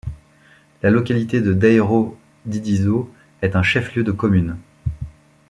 La localité de Dairo-Didizo est un chef-lieu de commune.